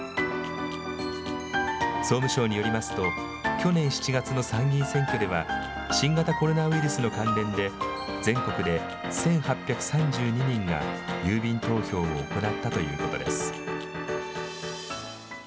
総務省によりますと、去年７月の参議院選挙では、新型コロナウイルスの関連で、全国で１８３２人が郵便投票を行ったということです。